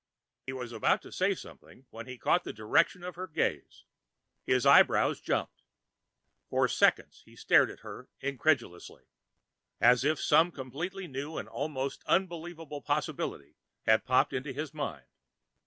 He was about to say something when he caught the direction of her gaze. His eyebrows jumped. For seconds he stared at her incredulously, as if some completely new and almost unbelievable possibility had popped into his mind.